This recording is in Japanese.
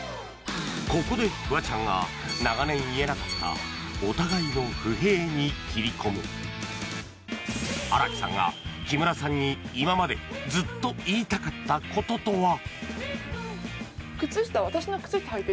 ここでフワちゃんが長年言えなかったお互いの不平に切り込む荒木さんが木村さんに今までずっと言いたかったこととは？